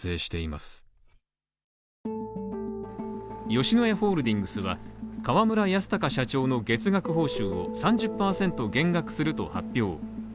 吉野家ホールディングスは河村泰貴社長の月額報酬を３０％減額すると発表。